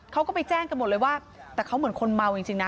เขาก็ไปแจ้งกันหมดเลยว่าแต่เขาเหมือนคนเมาจริงนะ